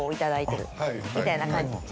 みたいな感じ。